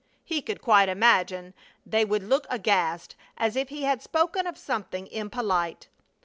He could quite imagine they would look aghast as if he had spoken of something impolite.